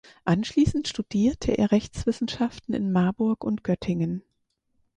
Anschließend studierte er Rechtswissenschaften in Marburg und Göttingen.